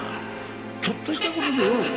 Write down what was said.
ちょっとしたことでよ